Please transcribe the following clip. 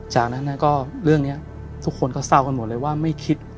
จากนั้นก็เรื่องนี้ทุกคนก็เศร้ากันหมดเลยว่าไม่คิด